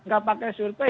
gak pakai surpi